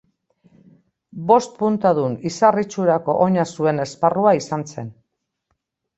Bost puntadun izar itxurako oina zuen esparrua izan zen.